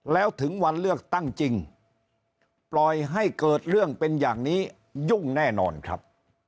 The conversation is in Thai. แล้วถึงวันเลือกตั้งจริงปล่อยให้เกิดเรื่องเป็นอย่างนี้ยุ่งแน่นอนครับ